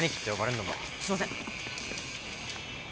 すいません。